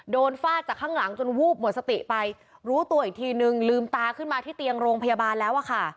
ฟาดจากข้างหลังจนวูบหมดสติไปรู้ตัวอีกทีนึงลืมตาขึ้นมาที่เตียงโรงพยาบาลแล้วอะค่ะ